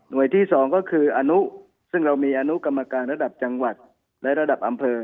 โดยที่สองก็คืออนุซึ่งเรามีอนุกรรมการระดับจังหวัดและระดับอำเภอ